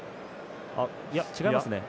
いや、違いますね。